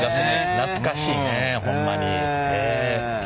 懐かしいねホンマに。